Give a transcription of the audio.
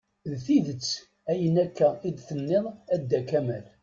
D tidet ayen akka i d-tenniḍ a Dda kamal.